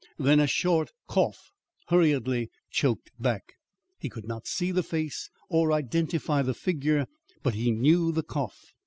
than a short cough, hurriedly choked back. He could not see the face or identify the figure, but he knew the cough.